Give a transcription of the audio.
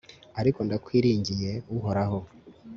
ariko ndakwiringiye, uhoraho